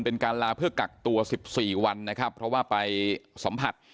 เป็นการลาเพื่อกักตัว๑๔วันนะครับเพราะว่าไปสัมผัส